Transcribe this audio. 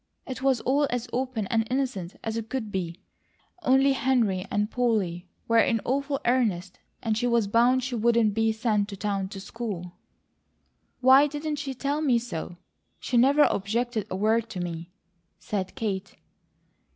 It was all as open and innocent as it could be; only Henry and Polly were in awful earnest and she was bound she wouldn't be sent to town to school " "Why didn't she tell me so? She never objected a word, to me," said Kate.